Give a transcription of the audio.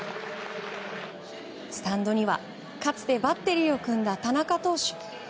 スタンドには、かつてバッテリーを組んだ田中投手。